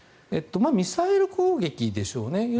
ミサイル攻撃でしょうね。